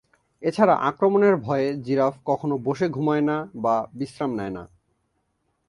এছাড়া আক্রমণের ভয়ে জিরাফ কখনো বসে ঘুমায় না বা বিশ্রাম নেয় না।